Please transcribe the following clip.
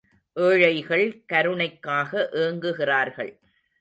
ஏழைகள் கருணைக்காக ஏங்குகிறார்கள்.